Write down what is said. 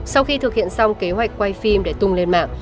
sau khi thực hiện xong kế hoạch quay phim để tung lên mạng